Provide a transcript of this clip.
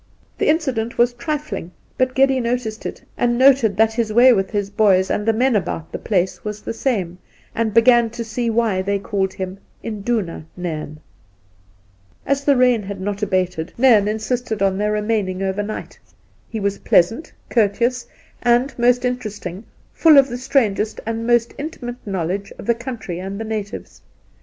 The incident was trifling, but Geddy noticed it, and noted that his way with his boys and the men about the place was the same, and began to see why they called him ' Induna Nairn.' As the rain had not abated Nairn insisted upon 92 Induna Nairn their remaining overnight. He was pleasant, courteous, and most interesting, Ml of the strangest and most intimate knowledge of the country and the natives.